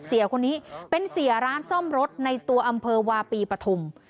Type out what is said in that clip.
เสียคนนี้เป็นเสียร้านซ่อมรถในตัวอำเภอวาปีปฐุม